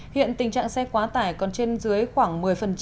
hiện tình trạng xe quá tải còn trên dưới khoảng một mươi